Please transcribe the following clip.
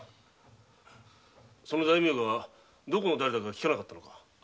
その大名がどこのだれだか聞かなかったのか？